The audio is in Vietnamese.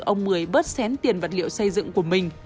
ông một mươi bớt xén tiền vật liệu xây dựng của mình